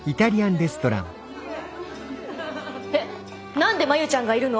えっ何で真夕ちゃんがいるの？